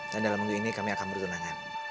dan dalam minggu ini kami akan bertunangan